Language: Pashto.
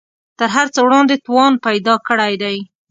تر هر څه وړاندې توان پیدا کړی دی